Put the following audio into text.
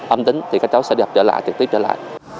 âm tính thì các cháu sẽ đọc trở lại trực tuyến trở lại